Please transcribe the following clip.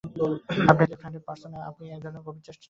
আপনি left handed পার্সনা-আপনি একধরনের গভীর টেন্স ষ্টেটে আছেন।